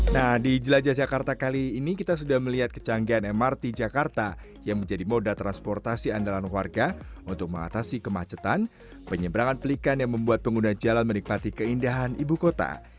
nah di jelajah jakarta kali ini kita sudah melihat kecanggihan mrt jakarta yang menjadi moda transportasi andalan warga untuk mengatasi kemacetan penyeberangan pelikan yang membuat pengguna jalan menikmati keindahan ibu kota